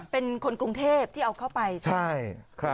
เป็นคนกรุงเทพที่เอาเข้าไปใช่ไหม